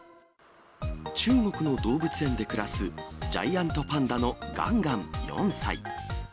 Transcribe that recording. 中国の動物園で暮らす、ジャイアントパンダのガンガン４歳。